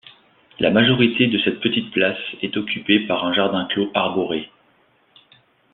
La majorité de cette petite place est occupée par un jardin clos arboré.